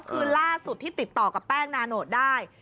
คือล่าสุดที่ติดต่อกับแป้งนาโนตได้